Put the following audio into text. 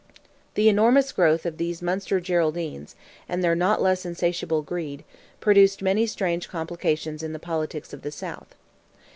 The enormous growth of these Munster Geraldines, and their not less insatiable greed, produced many strange complications in the politics of the South.